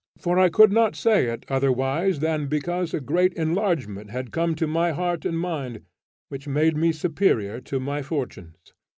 for I could not say it otherwise than because a great enlargement had come to my heart and mind, which made me superior to my fortunes.